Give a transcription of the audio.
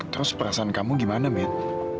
terus perasaan kamu gimana min